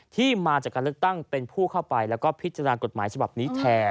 ที่มาจากการเลือกตั้งเป็นผู้เข้าไปแล้วก็พิจารณากฎหมายฉบับนี้แทน